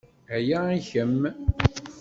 Aya i kemm.